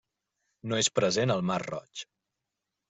No és present al mar Roig.